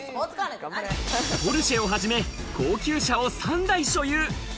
ポルシェをはじめ、高級車を３台所有。